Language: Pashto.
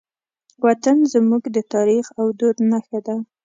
وطن زموږ د تاریخ او دود نښه ده.